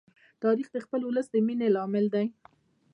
تاریخ د خپل ولس د مینې لامل دی.